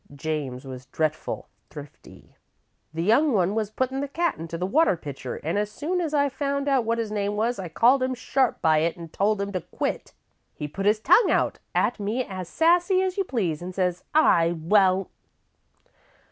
James was dretful thrifty. The youngest one was puttin' the cat into the water pitcher, an' as soon as I found out what his name was, I called him sharp by it an' told him to quit. He put his tongue out at me as sassy as you please, an' says: 'I won't.'